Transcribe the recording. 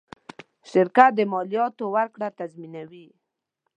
شرکت د مالیاتو ورکړه تضمینوي.